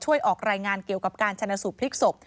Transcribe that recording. ออกรายงานเกี่ยวกับการชนะสูตรพลิกศพ